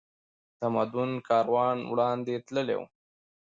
تمدن کاروان وړاندې تللی و